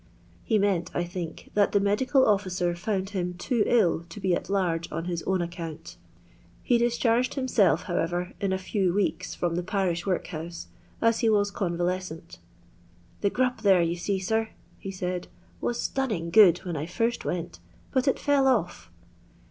He meant, I think, that the medical officer found him too ill to be at large on his own aoconnt Ho discharged himself, however, in a few weeks from this parish workhouse, as he was convalescenL " The grub there, yon see, sir," he said, " waa stunning good when I first went, but it &U off."